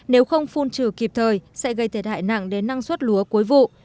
nếu không phun trừ kịp thời sẽ gây thiệt hại nặng đến năng suất lúa cuối vụ